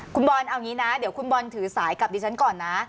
คุณบอลเอางี้นะเดี๋ยวคุณบอลถือสายกับดิฉันก่อนนะ